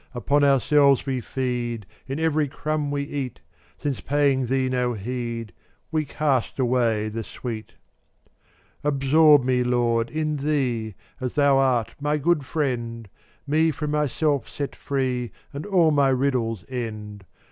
Upon ourselves we feed In every crumb we eat, Since paying Thee no heed We cast away the sweet. 422 Absorb me, Lord, in Thee, As Thou art my good friend; Me from myself set free And all my riddles end.